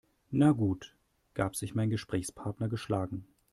Na gut, gab sich mein Gesprächspartner geschlagen.